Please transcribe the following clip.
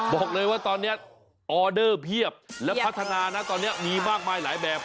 บอกเลยว่าตอนนี้ออเดอร์เพียบและพัฒนานะตอนนี้มีมากมายหลายแบบ